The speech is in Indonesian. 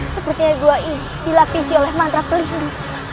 sepertinya gua ini dilapisi oleh mantra pelindung